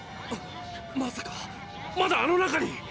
まさかまだあの中に⁉